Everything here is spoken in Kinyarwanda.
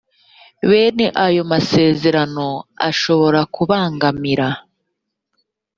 bene ayo masezerano ashobora kubangamira